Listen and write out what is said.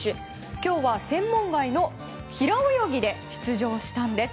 今日は専門外の平泳ぎで出場したんです。